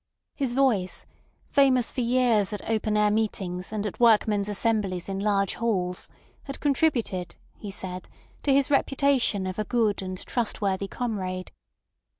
His voice,—famous for years at open air meetings and at workmen's assemblies in large halls, had contributed, he said, to his reputation of a good and trustworthy comrade.